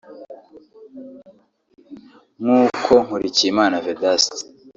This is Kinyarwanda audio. nkuko Nkurikiyimana Vedaste